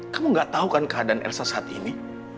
kamu gak tahu kan keadaan elsa saat ini